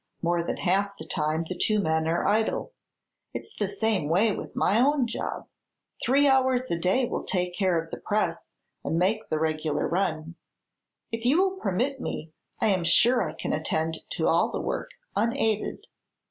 More than half the time the two men are idle. It's the same way with my own job. Three hours a day will take care of the press and make the regular run. If you will permit me, I am sure I can attend to all the work, unaided."